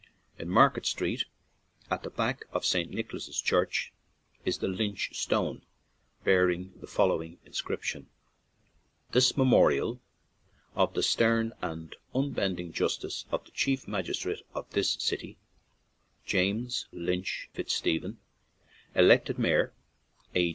In Market Street, at the back of St. Nicholas's Church, is the "Lynch Stone/' bearing the following inscription :" This memorial of the stern and unbending justice of the chief magistrate of this city, James Lynch Fitzstephen, elected mayor A.